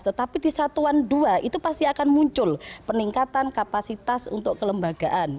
tetapi di satuan dua itu pasti akan muncul peningkatan kapasitas untuk kelembagaan